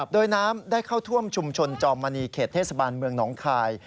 โดยน้ำได้เข้าท่วมชุมชนจอมมณีเขตเทศบาลเมืองหนองคาย